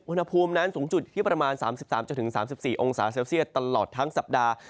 อุณหภูมินั้นสูงสุดอยู่ที่ประมาณ๓๓๔องศาเซลเซียตตลอดทั้งสัปดาห์